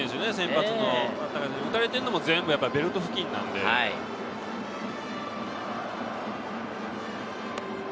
打たれているのも全部ベルト付近なんでね。